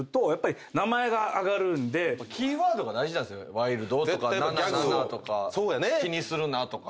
「ワイルド」とか「ナナナナ」とか「気にするな」とか。